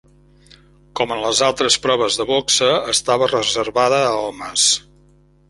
Com en les altres proves de boxa estava reservada a homes.